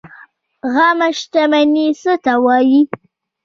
عامه شتمني څه ته وایي؟